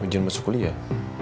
ujian masuk kuliah